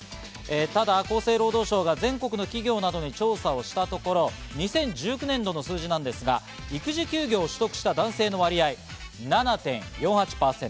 ただ、厚生労働省が全国の企業などに調査したところ、２０１９年度の数字ですが育児休業取得した男性の割合、７．４８％。